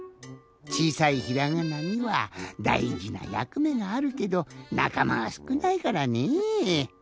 ちいさいひらがなにはだいじなやくめがあるけどなかまがすくないからねえ。